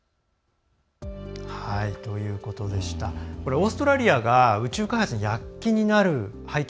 オーストラリアが宇宙開発に躍起になる背景